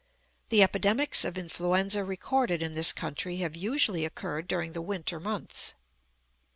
The epidemics of influenza recorded in this country have usually occurred during the winter months.